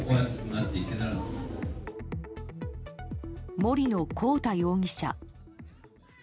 森野広太容疑者。